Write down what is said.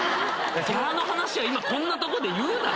ギャラの話は今こんなとこで言うな。